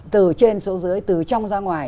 từ trên xuống dưới từ trong ra ngoài